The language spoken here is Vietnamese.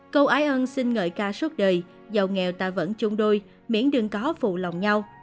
câu ái ơn xin ngợi ca suốt đời giàu nghèo ta vẫn chung đôi miễn đừng có phụ lòng nhau